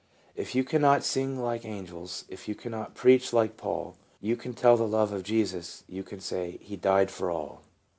" If you cannot sing like angels, If you cannot preach like Paul, You can tell the love of Jesus, You can say, ' He died for all.'